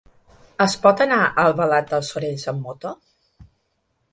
Es pot anar a Albalat dels Sorells amb moto?